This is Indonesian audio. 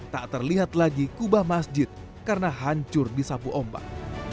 tak terlihat lagi kubah masjid karena hancur di sapu ombak